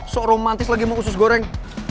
seoromantis lagi mau usus goreng